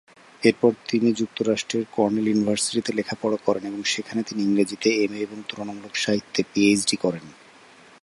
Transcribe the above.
এরপরে তিনি যুক্তরাষ্ট্রের কর্নেল ইউনিভার্সিটিতে লেখাপড়া করেন এবং সেখানে তিনি ইংরেজিতে এমএ এবং তুলনামূলক সাহিত্যে পিএইচডি করেন।